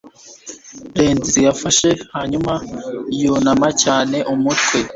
rands. yafashe hanyuma yunama cyane umutwe